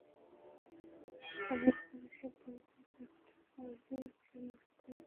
খানিক পরে সে বললে, তাঁর টাকা আমি কেমন করে নেব?